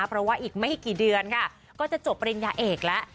เพราะว่าอีกไม่กี่เดือนค่ะก็จะจบปริญญาเอกแล้ว